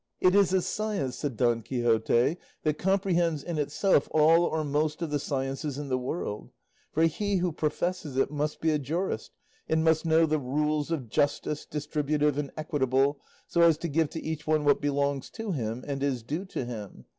"It is a science," said Don Quixote, "that comprehends in itself all or most of the sciences in the world, for he who professes it must be a jurist, and must know the rules of justice, distributive and equitable, so as to give to each one what belongs to him and is due to him.